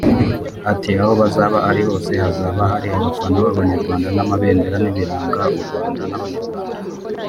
Ati “Aho bazaba bari hose hazaba hari abafana b’abanyarwanda n’amabendera n’ibiranga u Rwanda n’abanyarwanda